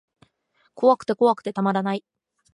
怖くて怖くてたまらない